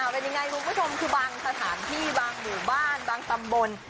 เป็นยังไงคุณผู้ชมคือบางสถานที่บางหมู่บ้านบางตำบล